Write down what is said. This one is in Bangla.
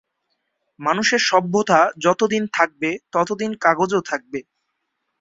মানুষের সভ্যতা যত দিন থাকবে, তত দিন কাগজও থাকবে।